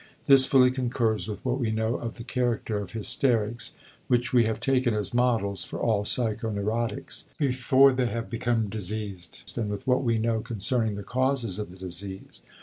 This fully concurs with what we know of the character of hysterics, which we have taken as models for all psycho neurotics, before they have become diseased, and with what we know concerning the causes of the disease.